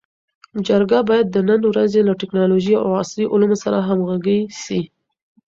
جرګه باید د نن ورځې له ټکنالوژۍ او عصري علومو سره همږغي سي.